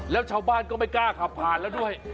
แล้วชาวบ้านก็ไม่กล้าขับผ่านแล้วด้วย